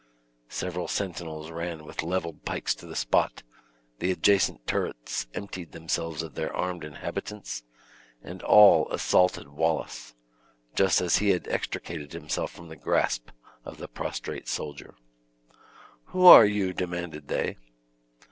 Several sentinels ran with leveled pikes to the spot, the adjacent turrets emptied themselves of their armed inhabitants, and all assaulted Wallace, just as he had extricated himself from the grasp of the prostrate soldier. "Who are you?" demanded they.